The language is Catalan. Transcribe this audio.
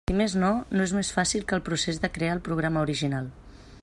Si més no, no és més fàcil que el procés de crear el programa original.